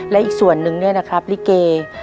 และอีกส่วนนึงเนี่ยนะครับลิเก